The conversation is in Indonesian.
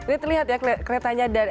ini terlihat ya keretanya